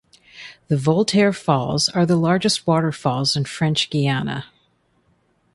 The Voltaire Falls are the largest waterfalls in French Guiana.